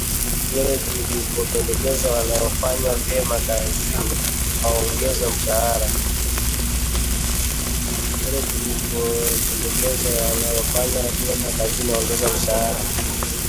George alipendekeza wanaofanya vyema kazini waongezwe mshahara